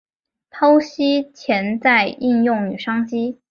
剖析潜在应用与商机